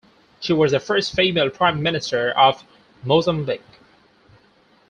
She was the first female Prime Minister of Mozambique.